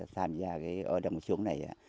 tham gia ở trong cái súng này